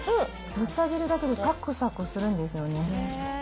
塗ってあげるだけで、さくさくするんですよね。